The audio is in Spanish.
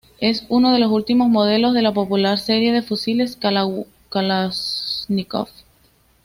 Es uno de los últimos modelos de la popular serie de fusiles Kalashnikov.